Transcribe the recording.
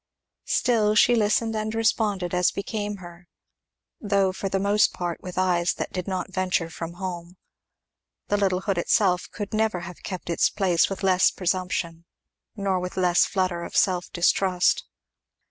Still she listened and responded as became her, though for the most part with eyes that did not venture from home. The little hood itself could never have kept its place with less presumption, nor with less flutter of self distrust.